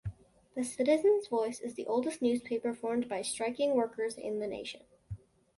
The "Citizens' Voice" is the oldest newspaper formed by striking workers in the nation.